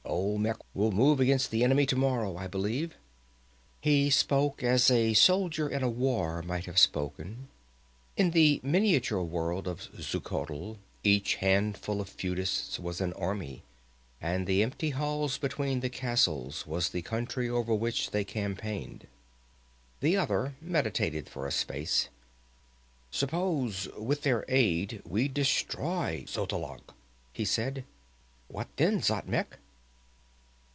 "Olmec will move against the enemy tomorrow, I believe." He spoke as a soldier in a war might have spoken. In the miniature world of Xuchotl each handful of feudists was an army, and the empty halls between the castles was the country over which they campaigned. [Illustration: "Even as he shifted, he hurled the knife."] The other meditated for a space. "Suppose with their aid we destroy Xotalanc," he said. "What then, Xatmec?"